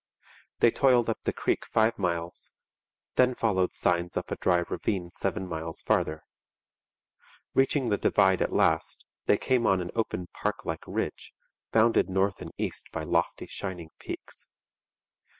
They toiled up the creek five miles, then followed signs up a dry ravine seven miles farther. Reaching the divide at last, they came on an open park like ridge, bounded north and east by lofty shining peaks.